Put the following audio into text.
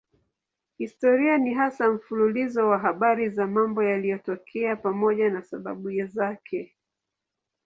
Historia ni hasa mfululizo wa habari za mambo yaliyotokea pamoja na sababu zake.